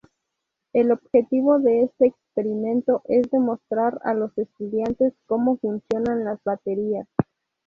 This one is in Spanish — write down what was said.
El objetivo de este experimento es demostrar a los estudiantes cómo funcionan las baterías.